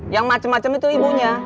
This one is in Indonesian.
yang macem macem itu ibunya